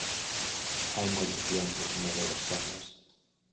Hai moito cliente con medo a ir ás tendas.